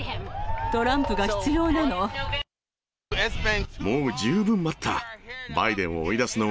トランプが必要なの。